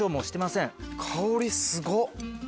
香りすごっ。